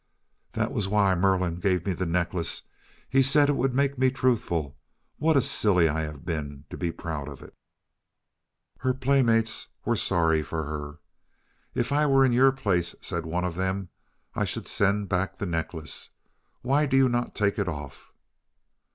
"That was why Merlin gave me the necklace. He said that it would make me truthful. What a silly I have been to be proud of it!" Her playmates were sorry for her. "If I were in your place," said one of them, "I should send back the necklace. Why do you not take it off?"